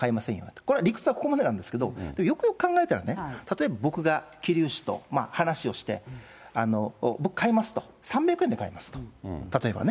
これ、理屈はここまでなんですけど、よくよく考えたらね、例えば僕が、桐生市と話をして、僕、買いますと、３００円で買いますと、例えばね。